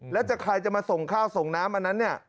แล้วใครจะมาส่งข้าวส่งน้ำอันนั้นเนี่ย